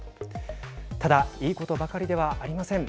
ただ、いいことばかりではありません。